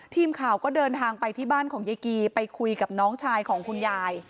ทีมข่าวก็เดินทางไปที่บ้านของยายกีไปคุยกับน้องชายของคุณยาย